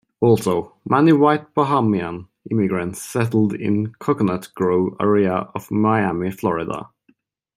Also, many white Bahamian immigrants settled in the Coconut Grove area of Miami, Florida.